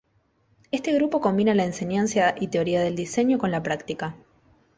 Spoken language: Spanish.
Este grupo combina la enseñanza y teoría del diseño con la práctica.